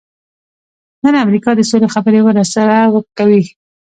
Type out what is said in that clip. نن امریکا د سولې خبرې ورسره کوي.